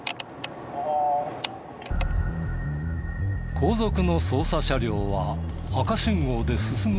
後続の捜査車両は赤信号で進む事ができない。